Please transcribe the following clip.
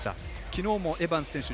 きのうもエバンス選手